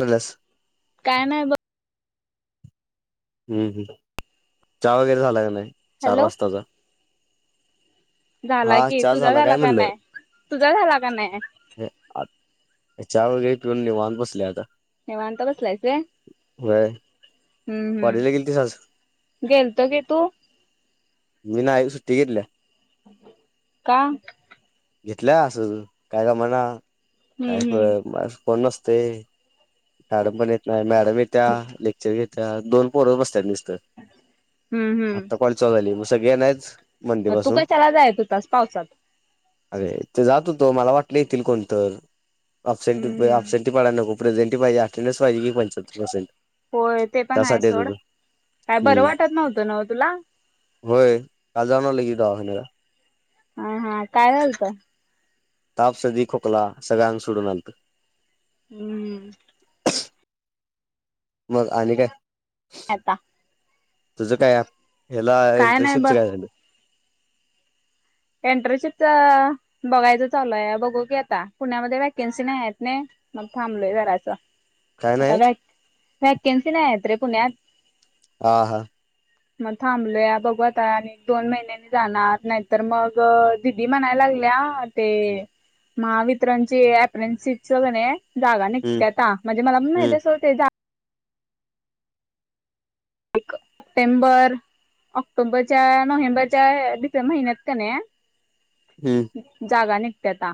जमल्यास काय नाय बघ हू हू चहा वगैरे झाला का नाही चार हॅलो वाजताचा झाला हा की चहा तुझा काय झाला का नाय तुझा झाला का नाय आत चहा वगैरे पिऊन निवांत बसलोय आता निवांत बसलायस होय व्हय कॉलेजला गेलीतीस आज गेलतो की तू मी नाही सुट्टी घेतल्या का घेतल्या असंच काय गमना हम्म काय हम्म पण अस कोण नसतय मॅडम पण येत नाही मॅडम येत्या लेक्चर घेत्या दोन पोर बसत्यात निसत हू हू कॉलेज चालू झाली म सगळे नाहीच म तू कशाला जायत होतास पावसात अरे ते जात होतो मला वाटलं येतील कोणतर अपसेंट हम्म अपसेंटी पडाय नको प्रेझेटी पाहिजे अटेंडन्स पाहिजे की पंच्याहत्तर पर्सेंट होय ते पण आहे त्यासाठी येत सोड होतो काय बरं हम्म वाटत नव्हतं नव तुला होय काल जाऊन आलो की दवाखान्यात हा हा काय झालत ताप सर्दी खोकला सगळ अंग सोडून आलतं हू हू मग आणि काय आता तुझं काय ह्याला काय नाही इंटरनशिपच बघ काय झालं एंटरशिपच बघायचं चालूया बघू की आता पुण्यामध्ये वॅकेन्सी नाही आहेत नई मग थांबलोय जरास काय आता नाही वॅक वॅकन्सी नाही आहेत रे पुण्यात ह हां मग थांबलोया बघू आता आणि दोन महिन्यानी जाणार नाही तर मग दिदी म्हणाय लागल्या ते महावितरणची अप्रेनसीची कनाई जागा हम्म निघत्याता म्हणजे मला पण हम्म माहतीहाय सोड ते जा एक [unintelligible] ऑक्टोबरच्या, नोव्हेंबरच्या महिन्यात की नाई हम्म. जागा निघत्याता.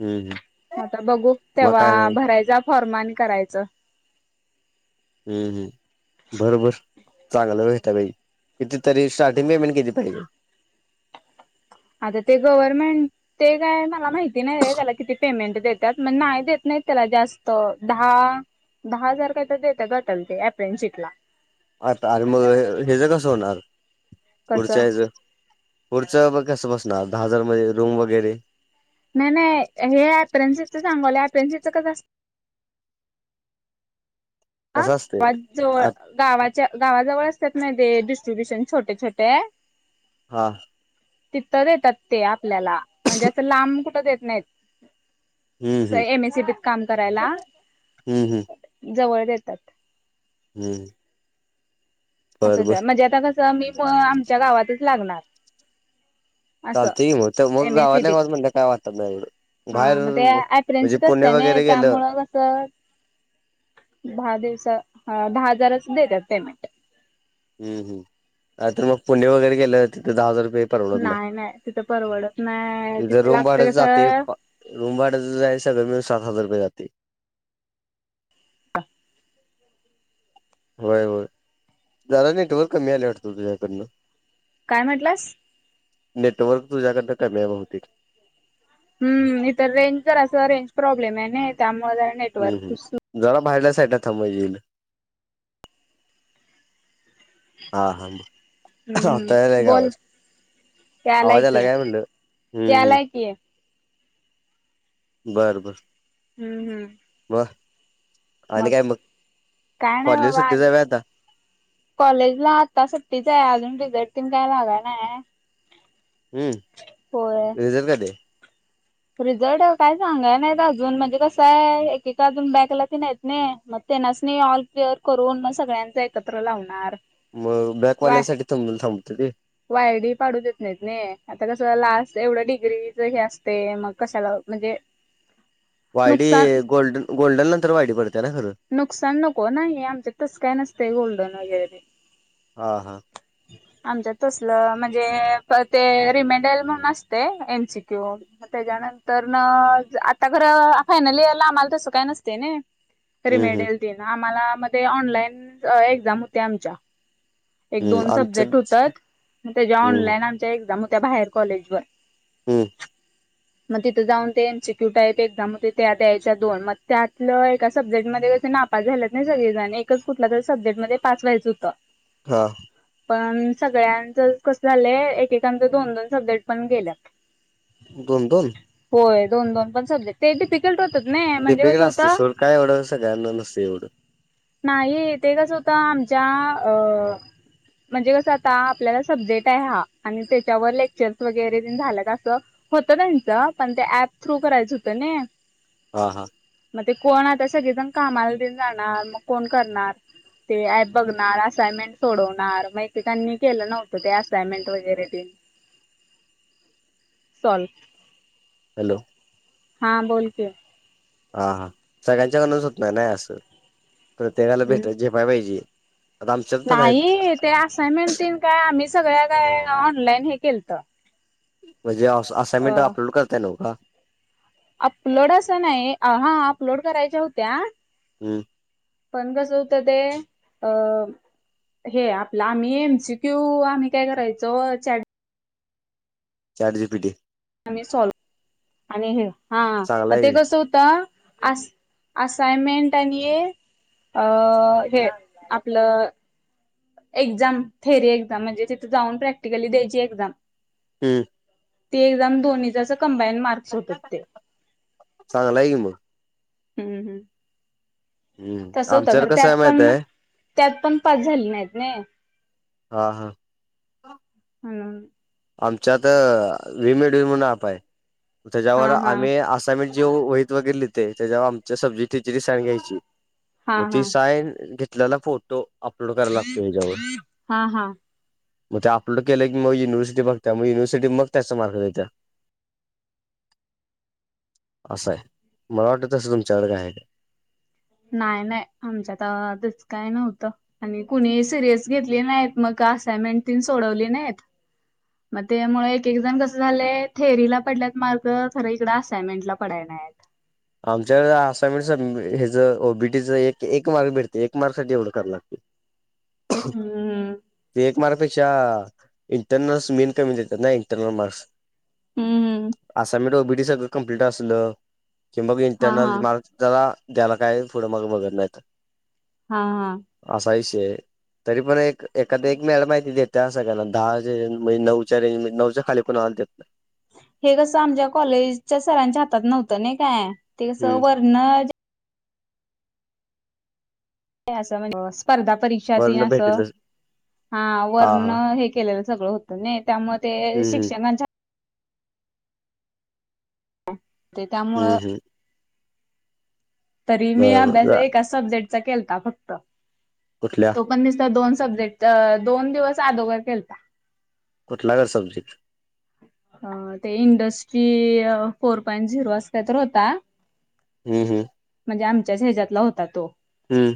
हम्म, हम. आता बघू तेव्हा भरायचा फॉर्म आणि करायचं. हम्, हम्. भर, भर. चांगलं भेटा पाहिजे. किती तरी स्टार्टिंग पेमेंट किती पाहिजे? आता ते गव्हर्नमेंट, ते काय मला माहिती नाहीये त्याला किती पेमेंट देत. त्यातनं नाही देत नाहीत. त्याला जास्त दहा दहा हजार काय तर देत्यात वाटतं ते अप्रेन्शीटला. आता [unintelligible] कसं होणार कसं पुढच्या हयाचं? पुढच मग कसं बसणार दहा हजारमध्ये? रूम वगैरे नाय, नाय, हे एपरेनसिचं सांगालोय, एपरेन्सिच कसं असतं. ह कसं असते [unintelligible] गावाच्या गावाजवळ असतात ना ते डिस्ट्री्ब्युशन छोटे-छोटे आ तिथं देतात ते आपल्याला म्हणजे, असं लांब कुठं देत नाहीत. हम्म अस एम ए सीबीत काम करायला. हम्, हम्. जवळ देतात. हम्म. असं बरोबर तर म्हणजे, आता कसं मी पण आमच्या गावातच लागणार. असं चालतय की मग, एम एस सी गावातल्या बीत गावात म्हणलाव काय वाटत नाही एवढ. हा मग ते आयप्रेनसच असते ना गेलं त्यामुळं कसं दहा दिवसं ह दहा हजारच देतात पेमेंट. हम्, हम नाय तर मग पुणे वगैरे गेलं, तिथे दहा हजार रुपये परवडत नाही नाय, नाय तिथे परवडत नाय. इथं तिथे रूम लागत भाडंच जातंय कसं. रूम भाड्याचं हाय सगळं मिळून सात हजार रुपये जातय. [unintelligible] व्हय, व्हय. जरा नेटवर्क कमी आलंय वाटतं तुझ्याकडन. काय म्हटलास? नेटवर्क तुझ्याकडनं कमी आहे बहुतेक. हम्, इथं रेंज जरास रेंज प्रॉब्लेम हायनाई त्यामुळे जरा हम्, नेटवर्क हम. जरा बाहेरल्या साईड थांबा म्हणजे येईल. हा, हा आता यायलाय हम्म का बोल आवाज? यालाय आवाज की यायलाय काय म्हटलं? हम्म, हम्म. यालाय की बरं, बरं. हम्, हम्म. मग आणि काय मग? काय कॉलेजला सुट्टीच हाय व्हय आता? कॉलेज ला आता सुट्टीच हाय. अजून रिझल्ट तेन काय लागाय न्हाय. हम्म. रिझल्ट कधी हाय? रिझल्ट काय सांगाय नाहीत अजून म्हणजे कसं हाय एकेक अजून बॅकला तेन हाईत. नाही. मग तेनासनी ऑल क्लिअर करून, मग सगळ्यांच एकत्र लावणार. मग वाय बॅकवाल्यानसाठी [unintelligible] थांबतात वी? वायडी पाडू देत नाही तनी, आता कसं लास्ट एवढं डिग्रीच हे असं. ते मग कशाला म्हणजे, वायडी नुकसान गोल्डन गोल्डन नंतर, वायडी पडते ना खरं. नुकसान नको ना हे, आमच्यात तसं काय नसतंय गोल्डन वगैरे. हा हा. आमच्या तसलं म्हणजे ते, रिमेंडल म्हणून असते एमसीक्यू. तेच्यानंतर आता खरं, फायनल इयरला आम्हांला तसं काय नसते नी. हम्म हम्म रिमेल्डन देणं आम्हाला मध्ये, ऑनलाईन एक्झाम होत्या आमच्या. एक हम्म दोन आमच्या सब्जेक्ट होतात, त्यांच्या हम्म ऑनलाईन आमच्या एक्झाम होत्या. बाहेर कॉलेजवर. हम्म. मग तिथं जाऊन ते इन्स्टक्यूट टाईप एक्झाम होते. त्या द्यायच्या दोन. मग त्यातलं एक सब्जेक्ट मध्ये कसं नापास झालेत नी सगळेजण, एकच कुठल्यातरी सब्जेक्ट मध्ये पास व्हायचं होतं. हा. पण सगळ्यांचं कसं झालंय, एकेकांचं दोन-दोन सब्जेक्ट पण गेल्यात. दोन दोन. होय दोन दोन सब्जेक्ट पण सब्जेक्ट ते, टिफिकल्ट होतात ना म्हणजे कसं दीपिकेला असते होतं. सोड काय एवढं सगळ्यांना नसतंय एवढं. नाही ते कसं होतं आमच्या अ. म्हणजे कसं आता आपल्याला सब्जेक्ट आहे हा, आणि त्यांच्यावर लेक्चर्स वगैरे झाल्यात असं. होतं त्यांचं पण ते, ॲप थ्रू करायचं होतं नी. हा हा. मग ते कोण आता सगळीजण कामाला तेन जाणार मग कोण करणार. ते ॲप बघणार असायमेंट सोडवणार मग, एकेकांनी केलं नव्हतं ते असायमेंट वगैरे ते. [inaudible] सोल्व. हॅलो. हां बोल की. हा हा सगळ्यांच्याकडूनच होत नाही ना असं, प्रत्येकाला हम्म भेट झेपायला पाहिजे. आता आमच्यात पण आहेत नाही ते असायमेंट तेन काय आम्ही, सगळ्या काय ऑनलाईन हे केलंत. म्हणजे असायमेंट अपलोड करताय नवं का. अपलोड असं नाही हा, अपलोड करायच्या होत्या. हम्. पण कसं होतं ते अ. हे आपलं आम्ही एमसीक्यू आम्ही काय करायचो. Chat chat GPT. आणि सॉल आणि हे, चांगला हा आहे ते की कसं होतं. असा असाइन्मेंट आणि हे आपलं. एक्झाम थेरी एक्झाम म्हणजे, तिथे जाऊन प्रॅक्टिकली द्यायची एक्झाम. हम्म. ते एक्झाम दोन्हीच असं कम्बाईन मार्क. [unintelligible] चांगला आहे की मग हम हम. हम्म तसं होतं आमच्यावर खरं कसं त्यात आहे माहित पण, आहे त्यात पण पास झाली नाहीत नी. हा हा. हम. आमच्यात विमिडीओ म्हणून ॲप आहे, हा तेच्यावर हा आम्ही असं. जे वहीत वगैर लिहिते त्याच्यावर आमच्या सब्जेक्ट टीचर ची साइन घ्यायची. हा मग ते हा सायन घेतलेला फोटो अपलोड करायला लागतोय ह्याच्यावर हा हा मग ते अपलोड केलं की मग युनिव्हर्सिटी बघत्या मगं युनिव्हरसिटी मग त्याचा मार्क देत्यात. असं आहे मला वाटलं तसं तुमच्याकडे काय आहे काय. नाय नाय आमच्या त तस काय नव्हत. आणि कुणी सिरियस घेतली नाहीत मग का असाइनमेंट तीन सोडवली नाहीत. मग त्यामुळे एक एक जण कसं झालंय थेअरीला पडल्यात मार्क खरं इकड असाइनमेंटला पडायंला नाहीत. आमच्याकड असायनमेंट स हे ज ओबीटीच एक मार्क भेटते एक मार्क साठी एवढं कराव लागते. हम्म ते एक मार्कपेक्षा इंटरनल्स मेन कमी देतात नाही इंटरनल मार्क्स हम्म हम्म असानमेंट ओबीटी सगळं कम्प्लिट असलं, कि मग हा हा इंटरनल मार्क त्याला द्यायला काही पुुढं मग बघत नाहीत. हा हा. असा विषय आहे. तरी पण एक एखादा एक मॅडम माहिती देते सगळ्यांना दहा म्हणजे नऊच्या रेंज नऊच्या खाली कोणा आला देत नाही. हे कस आमच्या कॉलेजच्या सरांच्या हातात नव्हतं ना काय ते कस नाही. हम्म वरन म्हणजे स्पर्धा परीक्ष तेन वरण भेटेल असं तसं हा वरण हे केलेलं. सगळं होतं ने त्यामुळ ते हम्म हम्म शिक्षणाच्या ते त्यामुळ हम्म हम्म तरी मी अभ्यास बरोबर एका सब्जेक्टचा केलता फक्त. कुठल्या? तोण बी दिसत दोन सब्जेक्ट दोन दिवस आगोदर केलता. कुठ लागल सब्जी अ ते इंडस्ट्री फोर पॉईंट झिरो असत काय तर होता. हम् हम्. म्हणजे आमच्या हेच्यातला होता तो. हम्म.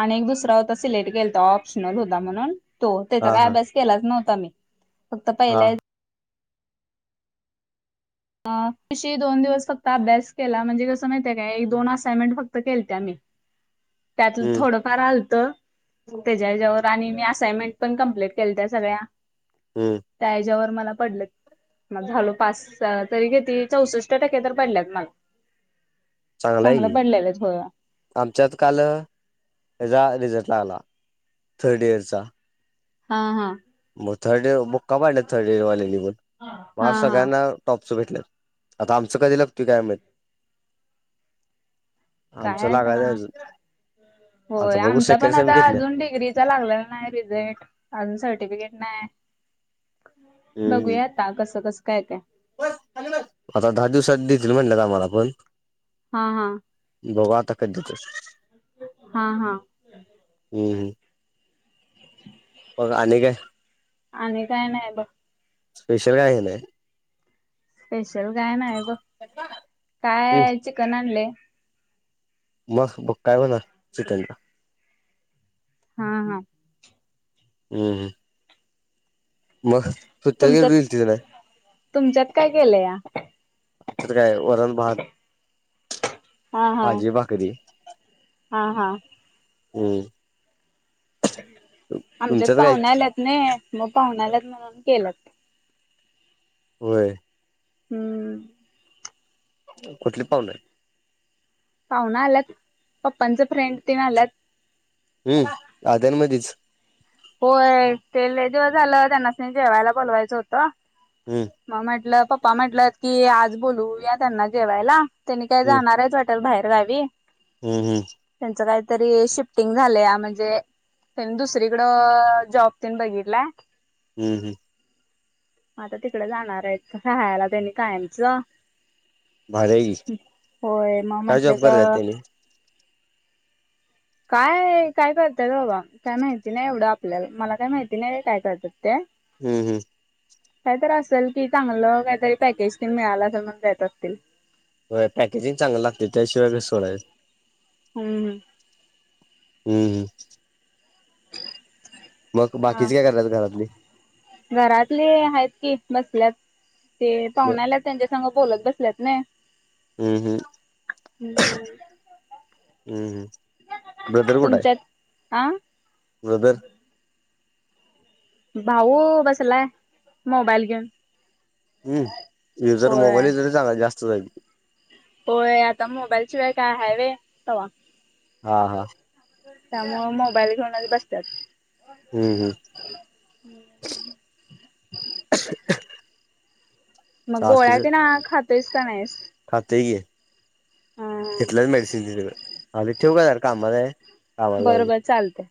आणि एक दुसरा होता सिलेक्ट केेल तो ऑप्शनल होता म्हणून तो त्याचा हा काय हा अभ्यास केलाच नव्हता मी फक्त हा पहिल्या. अ तशी दोन दिवस फक्त अभ्यास केला म्हणजे कसं माहितीय काय एक दोन असायनमेंट फक्त केल त्या् मी त्या अजून हम्म थोडं. फार आलतं त्याच्याच्यावर आणि मी असा यमेंट पण कम्प्लीट केल त्या् सगळ्या. हम्म. त्या च्यावर मला पडलो म ग झालो पास. तरी कीती चौसष्ट टक्के तर पडल्यात. चांगलं आहे की. पडलेलंच होय. आमच्यात काल याचा रिझल्ट आला थर्ड डीयरचा. हा हा. मग थर्ड एर बुका पडलं थर्ड ईयरवाल्या ना पण मग हा हा सगळ्यांना टॉपचं भेटलं आता आमचं कधी लागतय मग काय आमचं आता लागायचं अजून होय आता बघू आमचा सेकंड पण सेम आता घेतल्या अजून डिग्री. लागलेला नाय रिझल्ट अजून सर्टिफिकेट नाय. हम्म हम्म बघूया आता कसं कस काय ते. आता दहा दिवसात देतील म्हणल्या आम्हाला पण. हा हा बघू आता कधी देतात. हा हा हम् हम मग आणि काय आणि काय नाय बघ. स्पेशल काय हे स्पेशल काय नाही बघ हम्म काय चिकन आणले. मग बघ काय बनवल चिकन. हा हा हम् मग सुट्ट्याला कुठे तुमच्यात गेलीस का तुमच्यात काय केलं या. आमच्यात काय वरण भात. हा हा भाजी भाकरी हा हा हम्म आमच्यात तुमच्यात काय पाहुणे आल्यात नाइ मग पाहुणाल्यात म्हणून केलंत. होय हम्म कुठली पाहुणे आले. पाहुना आल्यात पप्पांच फ्रेंड तिन आल्यात. हम्म आद्यांनमध्येच. होय ते जेव्हा झालं त्यांनास्नी जेवायला बोलवायचं होतं. हम्म मग म्हटलं पप्पा म्हटल की आज बोलू या त्यांना जेवायला. त्यांनी काय जाणार आहेच वाटतं बाहेर गावी. हम् हम् त्यांच काहीतरी शिफ्टिंग झाले या, म्हणजे त्यांनी दुसरी कडं जॉब तेन बघितलंय. हम् हम आता तिकडे जाणार आहेत, राहायला त्यांनी कायमचं. भारी आहे की होय मग काय जॉब म्हटलेत. करतात त्यांनी काय काय करतात बाबा, काय माहिती नाही एवढं आपल्याला मला काय माहिती नाही काय करतात ते. हम् हम् काही तर असेल कि चांगलं काहीतरी पॅकेज तेन मिळाला तर म्हणून जात असतील. व्हय पॅकेजिंग चांगलं लागते त्याशिवाय कसं सोडायचं. हम् हम हम्म हम्म मग हम्म बाकीचे काय करातात घरातली? घरातले आहेत की बसल्यात ते हम्म पाहुण्याला त्यांच्यासग. बोलत बसल्यात नाय हम्म हम्म हम् हम्म ब्रदर कुठ आहे? तुमच्यात हा ब्रदर, भाऊ बसलाय मोबाईल घेऊन. हम् दिवस भर मोबाईल होय दिला तरी जरा जास्त. होय आता मोबाईल शिवाय काय हाय व्हय तवा हा हा त्यामुळ मोबाईल घेऊनच बसतात हू हू [inaudible] मग गोळ्या तेनं खातोयस का नाहीस खातोयकी हा तिथलंच मेडिसिन घेतलं आता ठेवू काय जरा कामात आहे कामाला बर लावलोय. बर चालत